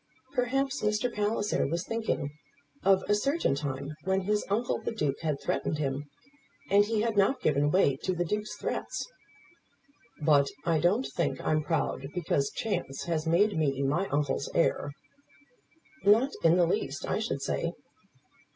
Perhaps, Mr. Palliser was thinking of a certain time when his uncle the Duke had threatened him, and he had not given way to the Duke's threats. "But I don't think I'm proud because chance has made me my uncle's heir." "Not in the least, I should say."